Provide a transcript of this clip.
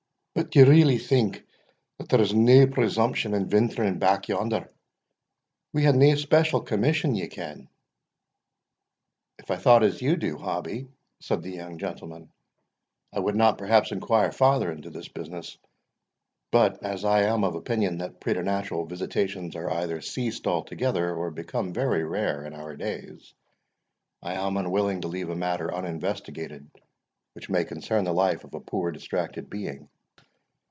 But d'ye really think there's nae presumption in venturing back yonder? We hae nae special commission, ye ken." "If I thought as you do, Hobbie," said the young gentleman, "I would not perhaps enquire farther into this business; but as I am of opinion that preternatural visitations are either ceased altogether, or become very rare in our days, I am unwilling to leave a matter uninvestigated which may concern the life of a poor distracted being."